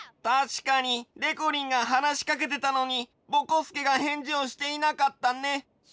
たしかにでこりんがはなしかけてたのにぼこすけがへんじをしていなかったね。